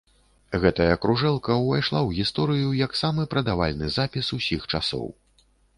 Гэтая кружэлка ўвайшла ў гісторыю як самы прадавальны запіс усіх часоў.